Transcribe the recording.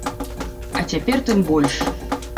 А цяпер тым больш.